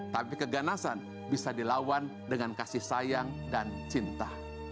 tapi keganasan bisa dilawan dengan kasih sayang dan cinta